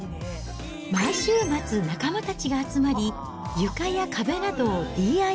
毎週末、仲間たちが集まり、床や壁などをＤＩＹ。